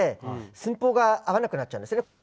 寸法が合わなくなっちゃうんですね。